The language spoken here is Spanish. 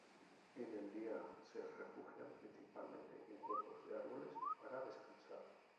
En el día se refugian principalmente en huecos de árboles para descansar.